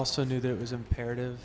lagunya tidak terdengar bagus